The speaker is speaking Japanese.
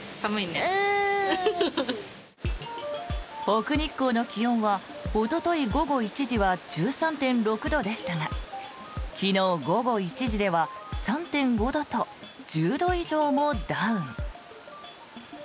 奥日光の気温はおととい午後１時は１３．６度でしたが昨日午後１時では３．５度と１０度以上もダウン。